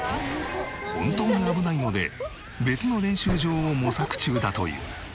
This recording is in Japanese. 本当に危ないので別の練習場を模索中だという。